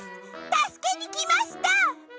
たすけにきました！